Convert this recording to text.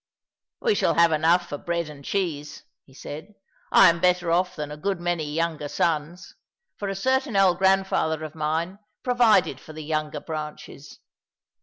"We shall have enough for bread and cheese," he said. " I am better off than a good many younger sons ; for a certain old grandfather of mine provided for the younger branches.